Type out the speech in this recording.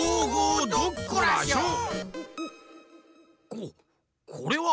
ここれは！